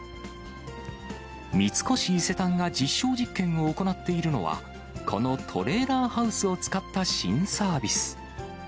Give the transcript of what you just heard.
三越伊勢丹が実証実験を行っているのは、このトレーラーハウスを使った新サービス。